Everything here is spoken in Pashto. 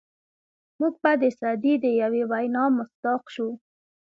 موږ به د سعدي د یوې وینا مصداق شو.